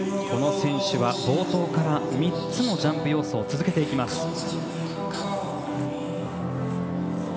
この選手は冒頭から３つのジャンプ要素を続けていきます。